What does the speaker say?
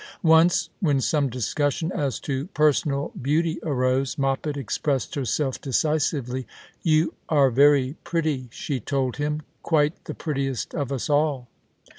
Once when some discussion as to personal beauty arose, Moppet expressed herself decisively. "You are very pretty," she told him, "quite the prettiest of us all